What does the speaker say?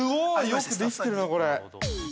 よくできてるな、これ。